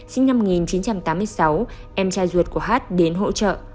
sinh năm một nghìn chín trăm tám mươi sáu em trai ruột của hát đến hỗ trợ